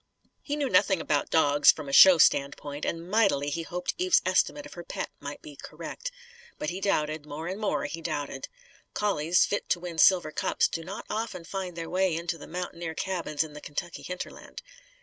He knew nothing about dogs, from a show standpoint and mightily he hoped Eve's estimate of her pet might be correct. But he doubted more and more, he doubted. Collies, fit to win silver cups, do not often find their way into the mountaineer cabins in the Kentucky hinterland.